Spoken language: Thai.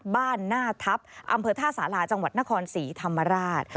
หน้าทัพอำเภอท่าสาราจังหวัดนครศรีธรรมราช